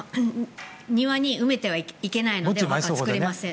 庭に埋めてはいけないので作れません。